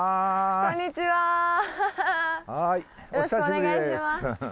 よろしくお願いします。